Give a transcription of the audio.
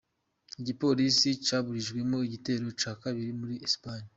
Igipolisi caburijemwo igitero ca kabiri muri Espagne.